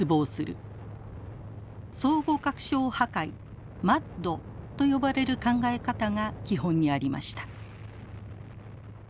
相互確証破壊＝ＭＡＤと呼ばれる考え方が基本にありました。